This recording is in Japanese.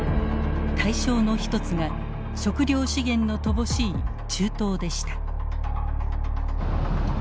対象の一つが食料資源の乏しい中東でした。